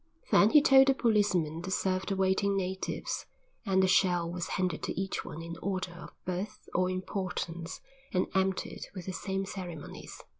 Then he told the policeman to serve the waiting natives, and the shell was handed to each one in order of birth or importance and emptied with the same ceremonies.